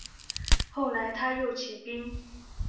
后来他又起兵。